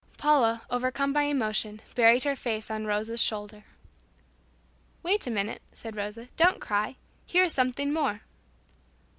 Paula, overcome by emotion, buried her face on Rosa's shoulder. "Wait a minute," said Rosa, "don't cry. Here is something more."